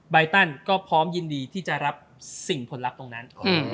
ใบตันก็พร้อมยินดีที่จะรับสิ่งผลลัพธ์ตรงนั้น